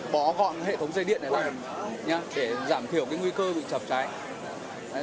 bỏ gọn hệ thống dây điện này ra để giảm thiểu cái nguy cơ bị chập cháy